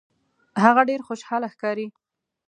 هغه ډیر خوشحاله ښکاري.